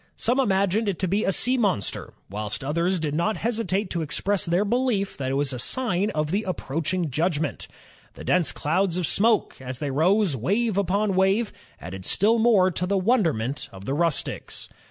Some imagined it to be a sea monster, whilst others did not hesitate to express their belief that it was a sign of the approaching judgment. ... The dense clouds of smoke, as they rose, wave upon wave, added still more to the wonderment of the rustics.